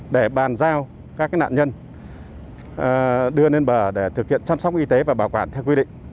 để bàn giao các nạn nhân đưa lên bờ để thực hiện chăm sóc y tế và bảo quản theo quy định